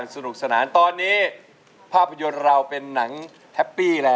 สนุกสนานตอนนี้ภาพยนตร์เราเป็นหนังแฮปปี้แล้ว